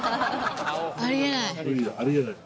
あり得ない。